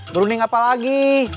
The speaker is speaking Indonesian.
berunding apa lagi